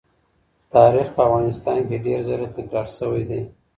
تاریخ په افغانستان کې ډېر ځله تکرار سوی دی.